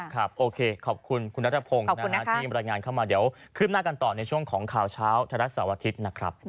โอเคขอบคุณคุณนัทพงศ์ที่บรรยายงานเข้ามาเดี๋ยวคืบหน้ากันต่อในช่วงของข่าวเช้าไทยรัฐเสาร์อาทิตย์นะครับ